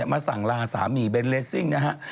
มาสั่งลาสามีเบนเลสซิ่งนะฮะ